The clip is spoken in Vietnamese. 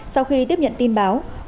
sau khi tiếp nhận tin báo